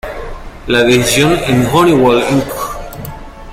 La decisión en Honeywell Inc.